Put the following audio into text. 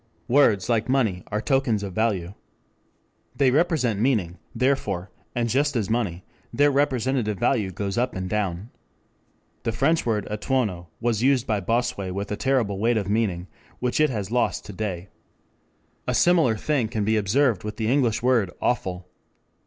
"Words, like money, are tokens of value. They represent meaning, therefore, and just as money, their representative value goes up and down. The French word 'etonnant' was used by Bossuet with a terrible weight of meaning which it has lost to day. A similar thing can be observed with the English word 'awful.'